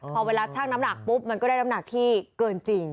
พอเวลาชั่งน้ำหนักปุ๊บมันก็ได้น้ำหนักที่เกินจริง